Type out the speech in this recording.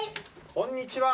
こんにちは。